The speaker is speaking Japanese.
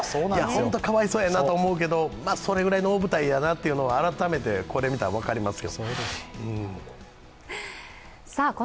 本当かわいそうやなと思うけど、それぐらいの大舞台やなって改めてこれ見たら分かります。